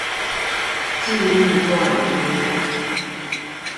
記憶冠軍